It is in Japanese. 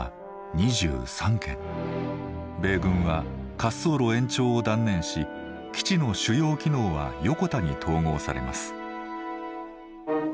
米軍は滑走路延長を断念し基地の主要機能は横田に統合されます。